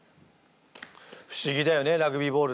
不思議だよねラグビーボールって。